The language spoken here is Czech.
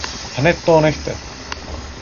Hned toho nechte!